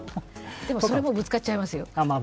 でもそれもぶつかっちゃいますよ。